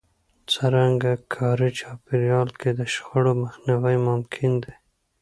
څرنګه کاري چاپېريال کې د شخړو مخنيوی ممکن دی؟